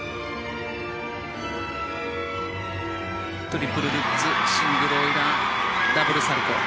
トリプルルッツシングルオイラーダブルサルコウ。